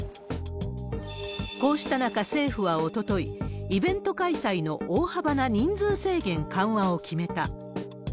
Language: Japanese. こうした中、政府はおととい、イベント開催の大幅な人数制限緩和を決めた。